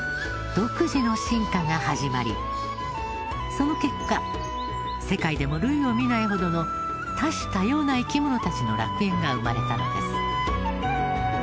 その結果世界でも類を見ないほどの多種多様な生き物たちの楽園が生まれたのです。